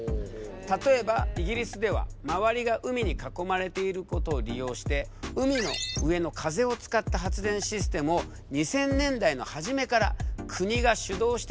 例えばイギリスでは周りが海に囲まれていることを利用して海の上の風を使った発電システムを２０００年代の初めから国が主導して進めたんだ。